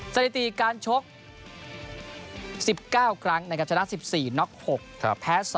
สถิติการชก๑๙ครั้งนะครับชนะ๑๔น็อก๖แพ้๒